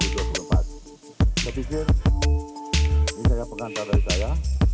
saya pikir ini saya pengantar dari saya